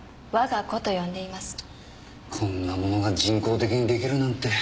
こんなものが人工的にできるなんて。